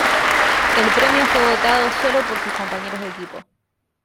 El premio fue votado sólo por sus compañeros de equipo.